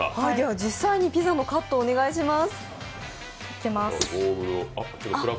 実際にピザのカットをお願いします。